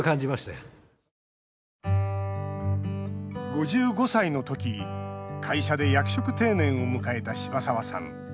５５歳の時会社で役職定年を迎えた柴澤さん。